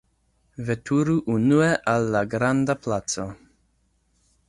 Veturu unue al la granda placo!